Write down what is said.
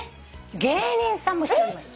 芸人さんもしてまして。